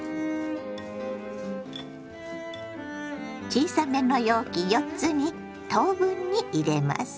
小さめの容器４つに等分に入れます。